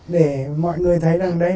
để mọi người thấy rằng đây